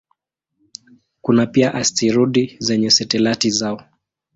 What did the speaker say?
Kuna pia asteroidi zenye satelaiti zao.